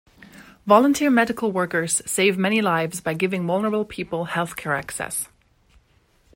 Volunteer Medical workers save many lives by giving vulnerable people health-care access